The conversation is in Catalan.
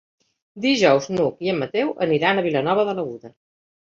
Dijous n'Hug i en Mateu aniran a Vilanova de l'Aguda.